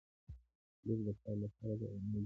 • لور د پلار لپاره د امید شمعه وي.